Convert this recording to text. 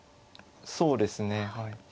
そうですねはい。